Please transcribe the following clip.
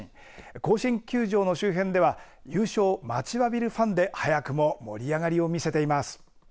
甲子園球場の周辺では優勝を待ちわびるファンで早くも盛り上がりを見せています。